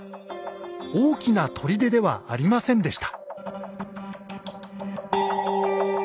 大きな砦ではありませんでした。